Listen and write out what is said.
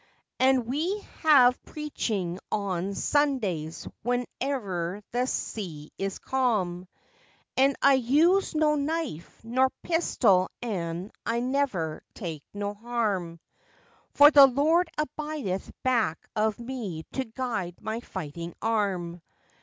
An' we have preaching on Sundays whenever the sea is calm, An' I use no knife nor pistol an' I never take no harm, For the Lord abideth back of me to guide my fighting arm.